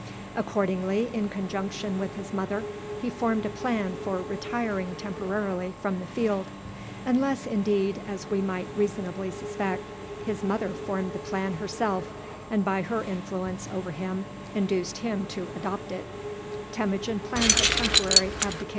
Accordingly, in conjunction with his mother, he formed a plan for retiring temporarily from the field; unless, indeed, as we might reasonably suspect, his mother formed the plan herself, and by her influence over him induced him to adopt it.